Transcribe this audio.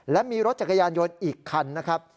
และมีรถจักรยานยนต์อีกคันนะครับ